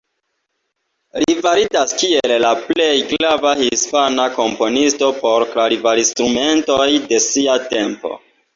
Li validas kiel la plej grava Hispana komponisto por klavarinstrumentoj de sia tempo.